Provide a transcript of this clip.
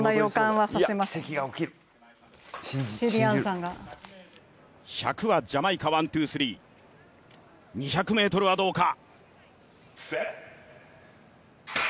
１００はジャマイカワン・ツー・スリー、２００はどうか。